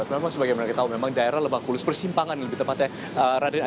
memang sebagian dari kita tahu memang daerah lebak bulus persimpangan lebih tepatnya